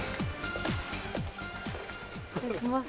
失礼します。